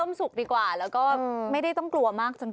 มันก็น่ากลัว